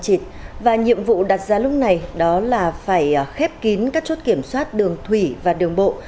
trịt và nhiệm vụ đặt ra lúc này đó là phải khép kín các chốt kiểm soát đường thủy và đường bộ